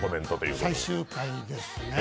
最終回ですね。